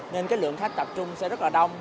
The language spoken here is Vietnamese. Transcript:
nên cái lượng khách tập trung sẽ rất là đông